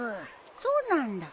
そうなんだ。